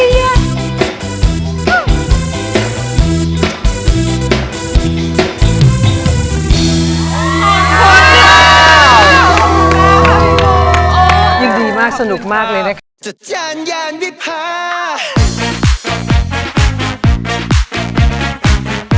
เยี่ยมมากสนุกมากเลยนะครับ